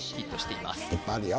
いっぱいあるよ